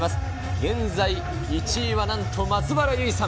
現在１位はなんと松原ゆいさん。